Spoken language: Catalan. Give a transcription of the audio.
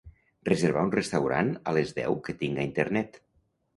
reservar un restaurant a les deu que tinga Internet